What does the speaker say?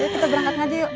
kita berangkat ngaji yuk